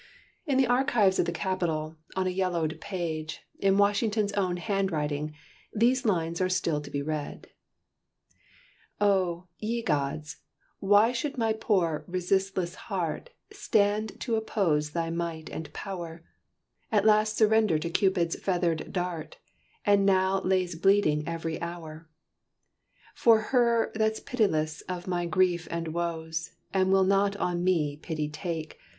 In the archives of the Capitol on a yellowed page, in Washington's own handwriting, these lines are still to be read: "Oh, Ye Gods, why should my Poor Resistless Heart Stand to oppose thy might and Power, At last surrender to Cupid's feather'd Dart, And now lays bleeding every Hour For her that's Pityless of my grief and Woes, And will not on me, pity take.